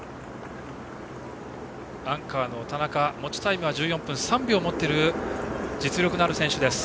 アンカーの田中持ちタイムは１３分８秒を持っている実力のある選手です。